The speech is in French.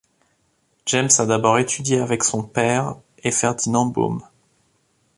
James a d'abord étudié avec son père et Ferdinand Bohme.